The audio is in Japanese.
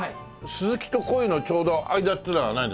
スズキとコイのちょうど間っていうのはないの？